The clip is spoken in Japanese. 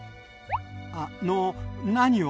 あの何を？